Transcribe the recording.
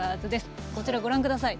こちらご覧下さい。